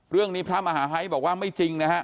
เรื่องนี้พระมหาฮัยบอกว่าไม่จริงนะฮะ